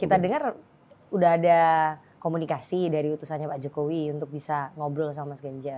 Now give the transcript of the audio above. kita dengar udah ada komunikasi dari utusannya pak jokowi untuk bisa ngobrol sama mas ganjar